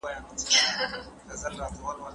استادان باید د شاګردانو پوښتنو ته ځواب ووایئ.